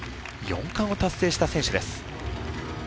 ４冠を達成した選手です。